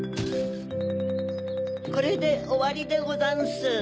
これでおわりでござんす。